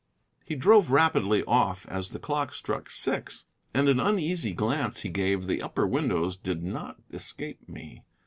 He drove rapidly off as the clock struck six, and an uneasy glance he gave the upper windows did not escape me.